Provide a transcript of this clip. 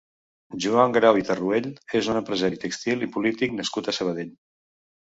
Joan Grau i Tarruell és un empresari tèxtil i polític nascut a Sabadell.